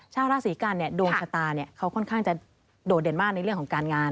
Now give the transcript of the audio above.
ชาวราศีกันดวงชะตาเขาค่อนข้างจะโดดเด่นมากในเรื่องของการงาน